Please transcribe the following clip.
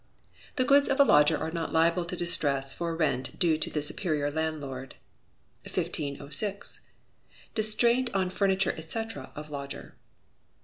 The goods of a lodger are not liable to distress for rent due to the superior landlord. 1506. Distraint on Furniture, etc., of Lodger.